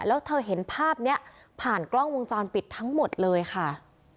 แล้วเธอเห็นภาพนี้ผ่านกล้องวงจรปิดทั้งหมดเลยค่ะ